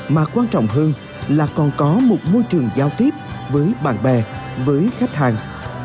mà quan trọng hơn là còn có một môi trường giao tiếp với bạn bè với khách hàng